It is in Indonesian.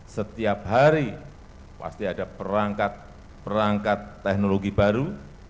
setiap hari pasti ada perangkat perangkat teknologi baru